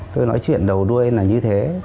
tôi nói chuyện đầu đuôi là như thế